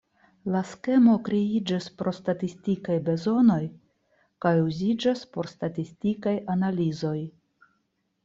La skemo kreiĝis pro statistikaj bezonoj kaj uziĝas por statistikaj analizoj.